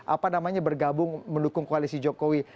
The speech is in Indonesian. apa namanya bergabung mendukung koalisi jokowi